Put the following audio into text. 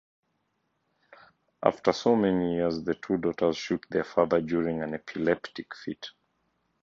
After so many years the two daughters shoot their father during an epileptic fit.